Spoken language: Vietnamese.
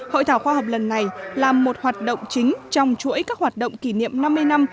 hội thảo khoa học lần này là một hoạt động chính trong chuỗi các hoạt động kỷ niệm năm mươi năm